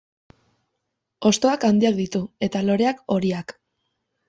Hostoak handiak ditu eta loreak horiak.